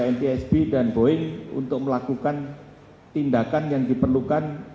knkt sedang meneliti bersama boeing bersama ntsb